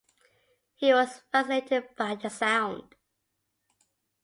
He was fascinated by the sound.